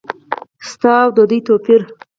ستا او د دوی توپیر ؟